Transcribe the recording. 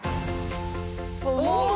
お！